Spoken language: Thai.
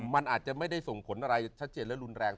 มันอาจจะไม่ได้ส่งผลอะไรชัดเจนและรุนแรง